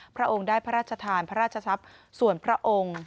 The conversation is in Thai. พระองค์ได้พระราชทานพระราชทรัพย์ส่วนพระองค์